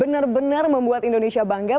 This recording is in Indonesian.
bener bener membuat indonesia bangga